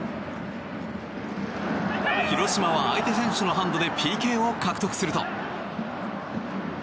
広島は、相手選手のハンドでＰＫを獲得すると。